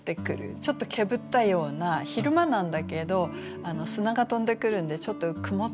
ちょっとけぶったような昼間なんだけど砂が飛んでくるんでちょっと曇ってるぐらい。